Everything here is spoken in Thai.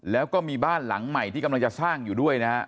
แล้วก็มีบ้านหลังใหม่ที่กำลังจะสร้างอยู่ด้วยนะฮะ